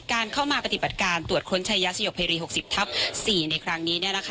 การเข้ามาปฏิบัติการตรวจค้นใช้ยาสยกเพรีหกสิบทับสี่ในครั้งนี้เนี่ยนะคะ